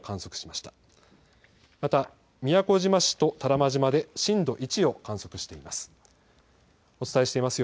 また宮古島市と多良間島で震度１を観測しています。